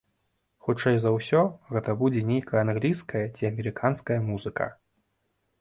Хутчэй за ўсе, гэта будзе нейкая англійская ці амерыканская музыка.